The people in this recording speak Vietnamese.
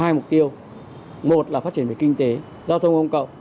hai mục tiêu một là phát triển về kinh tế giao thông công cộng